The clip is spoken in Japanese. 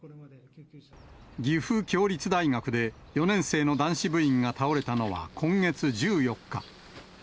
岐阜協立大学で、４年生の男子部員が倒れたのは今月１４日。